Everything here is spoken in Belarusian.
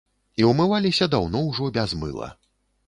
І ўмываліся даўно ўжо без мыла.